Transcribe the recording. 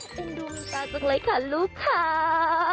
น้องดูมิตราสุดเลยค่ะลูกค้า